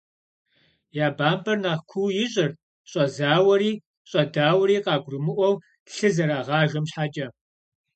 Я бампӀэр нэхъ куу ищӀырт щӀэзауэри щӀэдауэри къагурымыӀуэу лъы зэрагъажэм щхьэкӏэ.